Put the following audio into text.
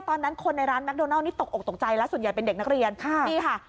ตอนนั้นคนในร้านแกโดนัลนี่ตกออกตกใจแล้วส่วนใหญ่เป็นเด็กนักเรียนค่ะนี่ค่ะ